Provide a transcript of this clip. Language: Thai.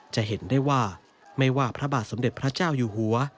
จะเห็นได้ว่าไม่ว่าพระบาทสมเด็จพระเจ้าอยู่หัว